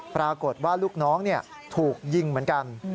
ปรากฏว่าลูกน้องถูกยิงเหมือนกัน